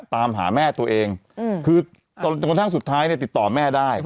ตามหาแม่ตัวเองคือจนกระทั่งสุดท้ายเนี่ยติดต่อแม่ได้